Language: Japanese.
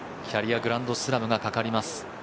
キャリアグランドスラムがかかります。